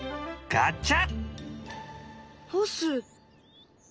ガチャ？